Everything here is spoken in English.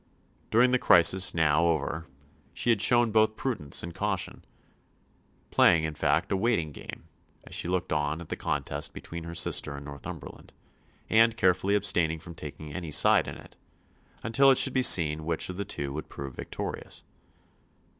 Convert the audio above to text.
During the crisis now over, she had shown both prudence and caution, playing in fact a waiting game, as she looked on at the contest between her sister and Northumberland, and carefully abstaining from taking any side in it, until it should be seen which of the two would prove victorious.